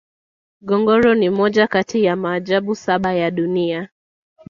ngorongoro ni moja kati ya maajabu saba ya dunia